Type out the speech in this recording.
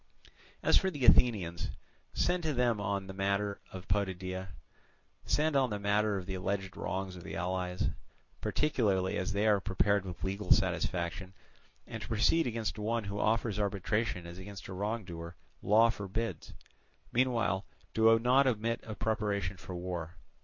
As for the Athenians, send to them on the matter of Potidæa, send on the matter of the alleged wrongs of the allies, particularly as they are prepared with legal satisfaction; and to proceed against one who offers arbitration as against a wrongdoer, law forbids. Meanwhile do not omit preparation for war.